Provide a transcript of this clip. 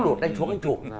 đi lút lút đánh xuống anh chủ